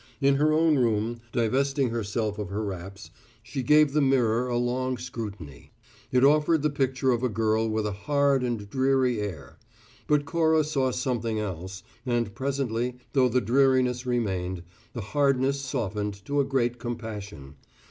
In her own room, divesting herself of her wraps, she gave the mirror a long scrutiny. It offered the picture of a girl with a hard and dreary air; but Cora saw something else, and presently, though the dreariness remained, the hardness softened to a great compassion.